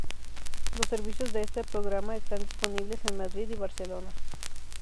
Los servicios de este programa están disponibles en Madrid y Barcelona.